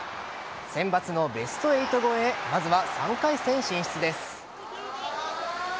センバツのベスト８超えへまずは３回戦進出です。